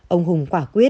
ông hùng quả quyết